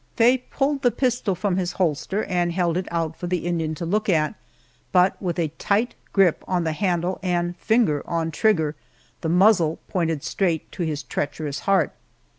Faye pulled the pistol from its holster and held it out for the Indian to look at, but with a tight grip on the handle and finger on trigger, the muzzle pointed straight to his treacherous heart.